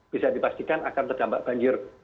bisa dipastikan akan terdampak banjir